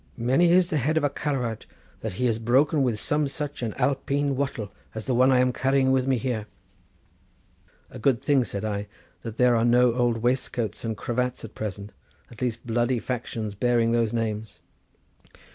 Many is the head of a Caravaut that he has broken with some such an Alpeen wattle as the one I am carrying with me here." "A good thing," said I, "that there are no Old Waistcoats and Cravats at present, at least bloody factions bearing those names."